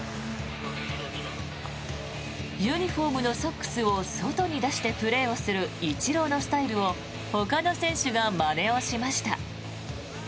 ユニホームのソックスを外に出してプレーするイチローのスタイルをほかの選手がまねをしました。